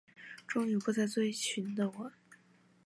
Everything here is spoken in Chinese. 终于不再追寻的我